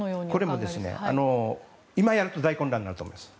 これも、今やると大混乱になると思います。